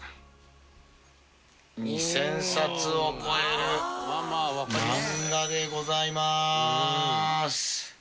２０００冊を超える漫画でございまーす！